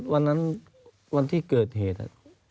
วันนั้นวันที่เกิดเหตุ